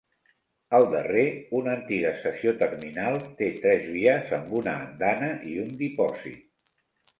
El darrer, una antiga estació terminal, té tres vies amb una andana i un dipòsit.